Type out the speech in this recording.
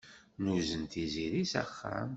Nuzen Tiziri s axxam.